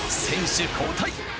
選手交代。